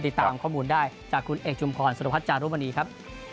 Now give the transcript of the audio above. ติดตามข้อมูลได้จากคุณเอกชุมพรสุรพัฒจารุมณีครับ